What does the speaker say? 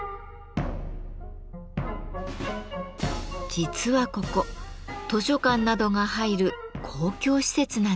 実はここ図書館などが入る公共施設なんです。